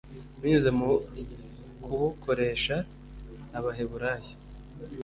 binyuze mu kubukoresha abaheburayo